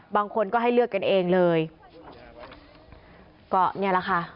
บางคนก็ให้เลือกกันเองเลยก็เนี่ยแหละค่ะ